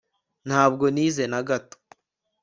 ntabwo nize na gato